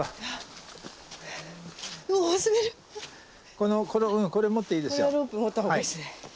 このロープ持ったほうがいいですね。